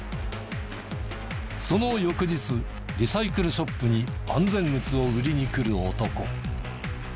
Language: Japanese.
その翌日リサイクルショップに安全靴を売りにくる男。